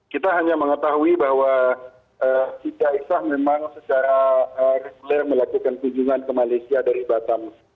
kita hanya mengetahui bahwa siti aisyah memang secara reguler melakukan kunjungan ke malaysia dari batam